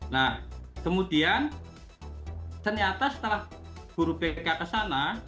nah kemudian ternyata setelah guru bk ke sana